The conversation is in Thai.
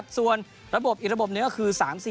ส่วนระบบอีกระบบหนึ่งก็คือ๓๔